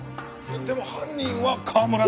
でも犯人は川村だよな？